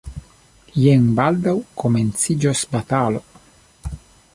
Jen baldaŭ komenciĝos batalo.